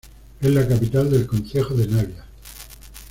Es la capital del concejo de Navia.